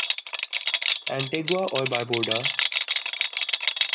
Antigua اور باربودا